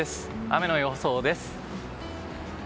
雨の予想です。